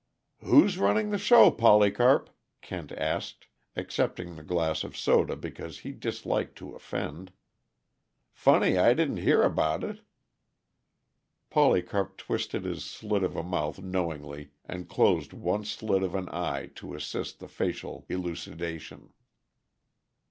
"Who's running the show, Polycarp?" Kent asked, accepting the glass of soda because he disliked to offend. "Funny I didn't hear about it." Polycarp twisted his slit of a mouth knowingly, and closed one slit of an eye to assist the facial elucidation.